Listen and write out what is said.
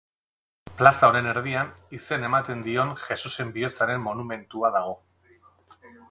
Plaza honen erdian izen ematen dion Jesusen Bihotzaren monumentua dago.